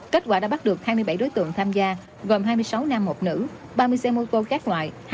kết quả đã bắt được hai mươi bảy đối tượng tham gia gồm hai mươi sáu nam một nữ ba mươi xe mô tô các loại